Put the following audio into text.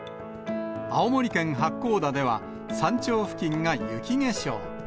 青森県八甲田では山頂付近が雪化粧。